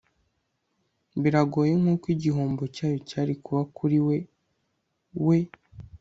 biragoye nkuko igihombo cyayo cyari kuba kuri we, we